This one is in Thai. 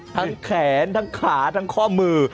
ทั้งแขนทั้งขาทั้งค่อมือ